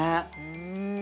うん。